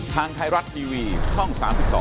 ทางไทยรัฐทีวีช่อง๓๒